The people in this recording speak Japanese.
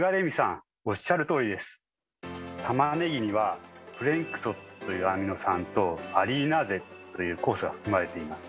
たまねぎには「プレンクソ」というアミノ酸と「アリイナーゼ」という酵素が含まれています。